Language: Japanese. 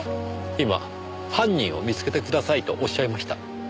今「犯人を見つけてください」とおっしゃいました。